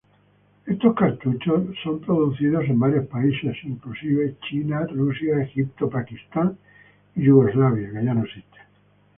Estos cartuchos son producidos en varios países, inclusive China, Rusia, Egipto, Pakistán y Yugoslavia.